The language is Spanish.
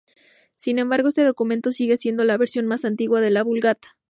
Sin embargo, este documento sigue siendo la versión más antigua de la "Vulgata".